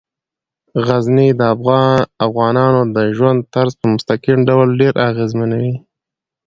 غزني د افغانانو د ژوند طرز په مستقیم ډول ډیر اغېزمنوي.